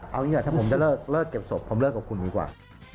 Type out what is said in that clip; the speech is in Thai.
เอาอย่างนี้ถ้าผมจะเลิกเก็บศพผมเลิกกับคุณดีกว่า